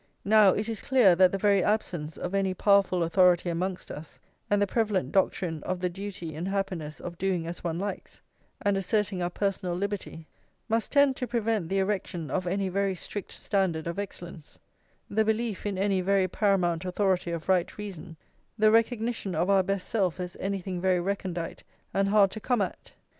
Now, it is clear that the very absence of any powerful authority amongst us, and the prevalent doctrine of the duty and happiness of doing as one likes, and asserting our personal liberty, must tend to prevent the erection of any very strict standard of excellence, the belief in any very paramount authority of right reason, the recognition of our best self as anything very recondite and hard to come at.